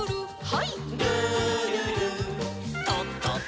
はい。